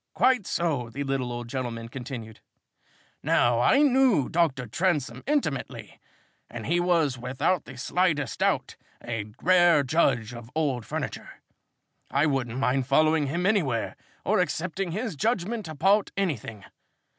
"Quite so," the little old gentleman continued. "Now I knew Dr. Transome intimately, and he was, without the slightest doubt, a rare judge of old furniture. I wouldn't mind following him anywhere, or accepting his judgment about anything.